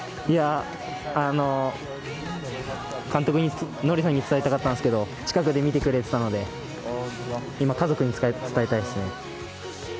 いや、あの、監督に、ノリさんに伝えたかったんですけど、近くで見てくれてたので、今、家族に伝えたいですね。